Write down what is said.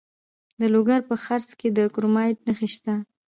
د لوګر په څرخ کې د کرومایټ نښې شته.